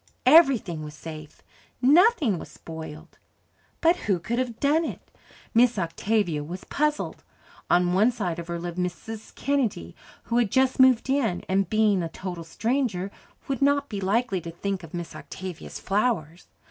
Everything was safe nothing was spoiled. But who could have done it? Miss Octavia was puzzled. On one side of her lived Mrs. Kennedy, who had just moved in and, being a total stranger, would not be likely to think of Miss Octavia's flowers.